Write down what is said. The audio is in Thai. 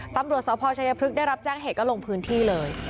ตำรวจสพชัยพฤกษได้รับแจ้งเหตุก็ลงพื้นที่เลย